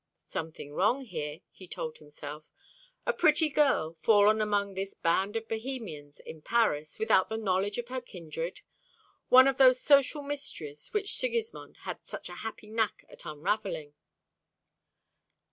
Something wrong here, he told himself. A pretty girl, fallen among this band of Bohemians in Paris, without the knowledge of her kindred. One of those social mysteries which Sigismond had such a happy knack at unravelling.